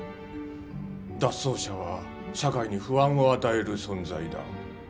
脱走者は社会に不安を与える存在だ。